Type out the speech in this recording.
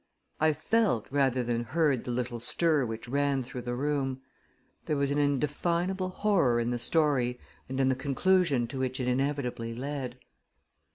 I felt, rather than heard, the little stir which ran through the room. There was an indefinable horror in the story and in the conclusion to which it inevitably led.